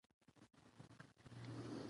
افغانستان کې ښارونه د خلکو خوښې وړ ځای دی.